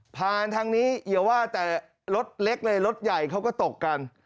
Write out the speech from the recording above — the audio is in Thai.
ทางนี้อย่าว่าแต่รถเล็กเลยรถใหญ่เขาก็ตกกัน